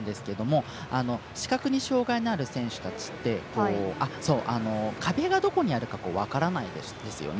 タッパーは視覚に障がいのある選手たちって壁がどこにあるか分からないですよね。